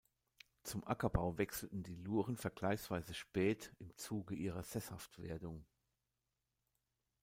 Zum Ackerbau wechselten die Luren vergleichsweise spät im Zuge ihrer Sesshaftwerdung.